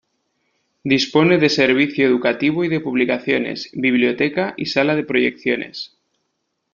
Dispone de servicio educativo y de publicaciones, biblioteca y sala de proyecciones.